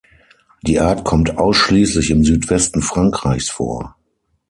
Die Art kommt ausschließlich im Südwesten Frankreichs vor.